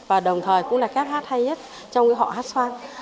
và đồng thời cũng là kép hát hay nhất trong họ hát xoan